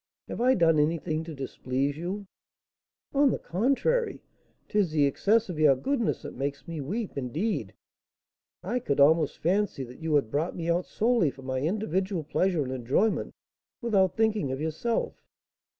Have I done anything to displease you?" "On the contrary, 'tis the excess of your goodness that makes me weep; indeed, I could almost fancy that you had brought me out solely for my individual pleasure and enjoyment, without thinking of yourself.